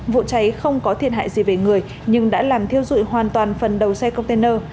vụ cháy không có thiệt hại gì về người nhưng đã làm thiêu dụi hoàn toàn phần đầu xe container